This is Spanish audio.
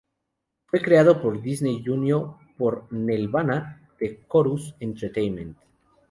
Fue creado por Disney Junior por Nelvana de Corus Entertainment.